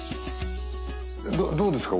どうですか？